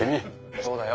そうだよ。